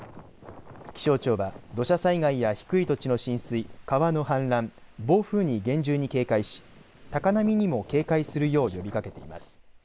気象庁は土砂災害や低い土地の浸水川の氾濫、暴風に厳重に警戒し高波にも警戒するよう呼びかけています。